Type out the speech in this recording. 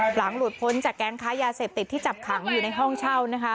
หลุดพ้นจากแก๊งค้ายาเสพติดที่จับขังอยู่ในห้องเช่านะคะ